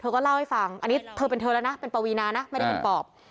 ก็เล่าให้ฟังอันนี้เธอเป็นเธอแล้วนะเป็นปวีนานะไม่ได้เป็นปอบ